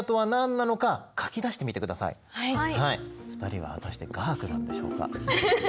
２人は果たして画伯なんでしょうか？